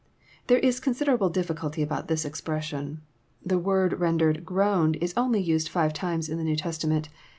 ^ There is considerable difficulty about this expression. The word rendered '* groaned,'* is only used Hyo times in the New Testament.